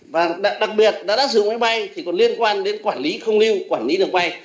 và đặc biệt đã sử dụng máy bay thì còn liên quan đến quản lý không lưu quản lý được bay